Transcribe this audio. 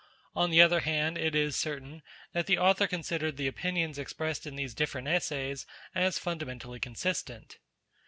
On the other hand it is certain that the Author con sidered the opinions expressed in these different Essays, as fundamentally consistent.